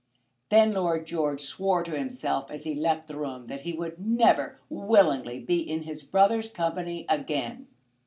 Then Lord George swore to himself as he left the room that he would never willingly be in his brother's company again.